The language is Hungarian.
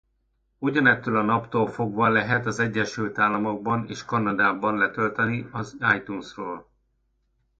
Ugyanettől a naptól fogva lehet az Egyesült Államokban és Kanadában letölteni az iTunes-ról.